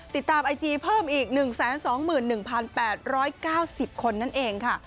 ไอจีเพิ่มอีก๑๒๑๘๙๐คนนั่นเองค่ะ